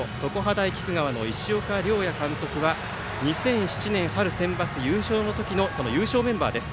大菊川の石岡諒哉監督は２００７年春センバツ優勝の時の優勝メンバーです。